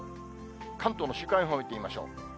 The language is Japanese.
関東の週間予報を見てみましょう。